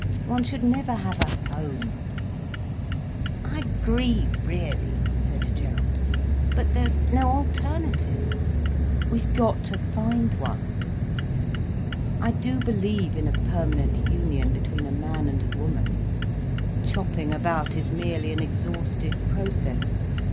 One should never have a home." "I agree really," said Gerald. "But there's no alternative." "We've got to find one. I do believe in a permanent union between a man and a woman. Chopping about is merely an exhaustive process.